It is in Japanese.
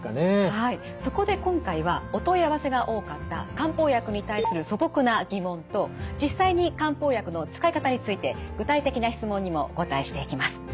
はいそこで今回はお問い合わせが多かった漢方薬に対する素朴な疑問と実際に漢方薬の使い方について具体的な質問にもお答えしていきます。